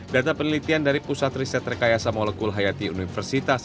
data penelitian dari pusat riset terkaya samolekul hayati universitas